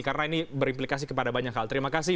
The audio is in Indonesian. karena ini berimplikasi kepada banyak hal terima kasih